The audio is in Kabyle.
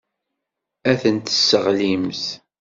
Ad tent-tesseɣlimt.